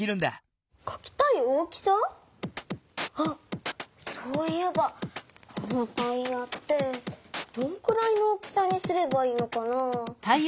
あっそういえばこのタイヤってどんくらいの大きさにすればいいのかな？